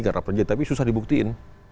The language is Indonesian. nggak terpencil tapi susah dibuktiin